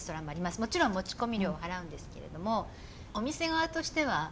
もちろん持ち込み料を払うんですけれどもお店側としてはどうお考えですか？